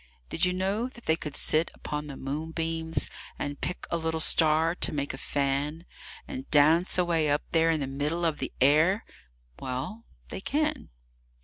Did you know that they could sit upon the moonbeams And pick a little star to make a fan, And dance away up there in the middle of the air? Well, they can.